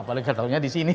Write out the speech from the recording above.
apalagi ketahunya disini